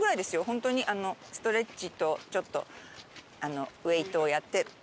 本当にストレッチとちょっとウエイトをやって。